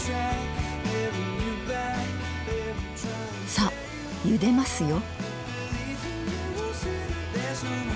さあゆでますよ。